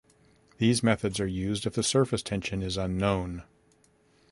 These methods are used if the surface tension is unknown.